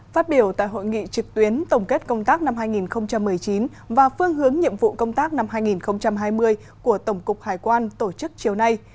phát biểu tại hội nghị trực tuyến tổng kết công tác năm hai nghìn một mươi chín và phương hướng nhiệm vụ công tác năm hai nghìn hai mươi của tổng cục hải quan tổ chức chiều nay